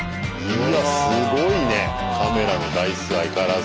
うわすごいねカメラの台数相変わらず。